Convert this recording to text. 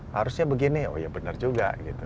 harusnya begini oh ya benar juga gitu